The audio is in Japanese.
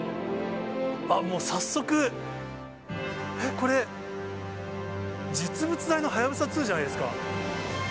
もう早速、えっ、これ、実物大のはやぶさ２じゃないですか。